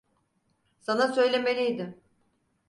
Sana söylemeliydim.